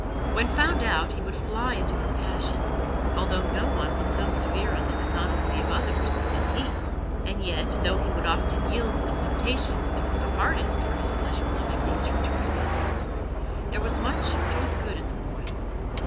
When found out he would fly into a passion, although no one was so severe on the dishonesty of others as he. And yet, though he would often yield to the temptations that were the hardest for his pleasure loving nature to resist, there was much that was good in the boy.